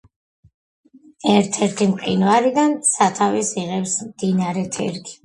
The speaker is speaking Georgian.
ერთ-ერთი მყინვარიდან სათავეს იღებს მდინარე თერგი.